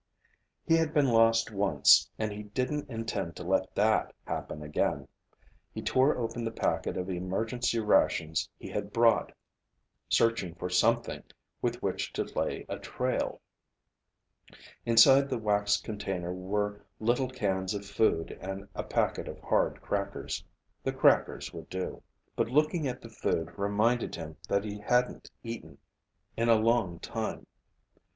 He had been lost once, and he didn't intend to let that happen again. He tore open the packet of emergency rations he had brought, searching for something with which to lay a trail. Inside the waxed container were little cans of food and a packet of hard crackers. The crackers would do. But looking at the food reminded him that he hadn't eaten in a long time.